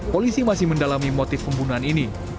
polisi masih mendalami motif pembunuhan ini